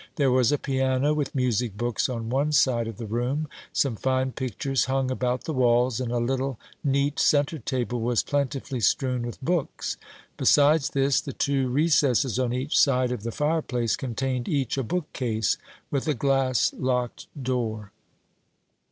There was a piano with music books on one side of the room, some fine pictures hung about the walls, and a little, neat centre table was plentifully strewn with books. Besides this, the two recesses on each side of the fireplace contained each a bookcase with a glass locked door.